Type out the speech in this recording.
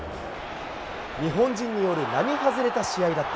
日本人による並外れた試合だった。